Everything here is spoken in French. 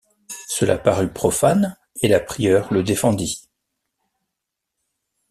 Cela parut profane, et la prieure le défendit.